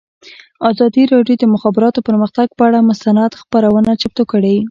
ازادي راډیو د د مخابراتو پرمختګ پر اړه مستند خپرونه چمتو کړې.